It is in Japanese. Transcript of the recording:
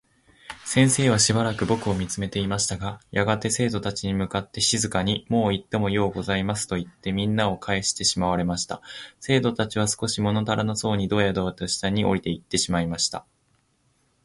先生は暫く僕を見つめていましたが、やがて生徒達に向って静かに「もういってもようございます。」といって、みんなをかえしてしまわれました。生徒達は少し物足らなそうにどやどやと下に降りていってしまいました。